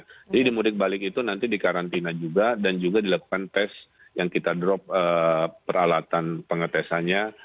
jadi di mudik balik itu nanti di karantina juga dan juga dilakukan tes yang kita drop peralatan pengetesannya